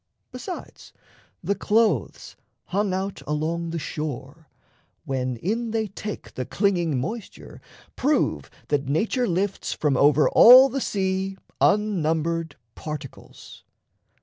Besides, the clothes hung out along the shore, When in they take the clinging moisture, prove That nature lifts from over all the sea Unnumbered particles.